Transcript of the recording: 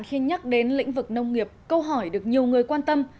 khi nhắc đến lĩnh vực nông nghiệp câu hỏi được nhiều người quan tâm